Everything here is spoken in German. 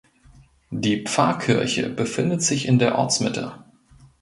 Die Pfarrkirche befindet sich in der Ortsmitte.